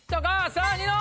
さぁニノ！